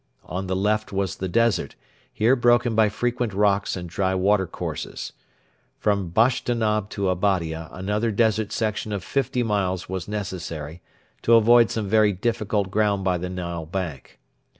On the left was the desert, here broken by frequent rocks and dry watercourses. From Bashtinab to Abadia another desert section of fifty miles was necessary to avoid some very difficult ground by the Nile bank.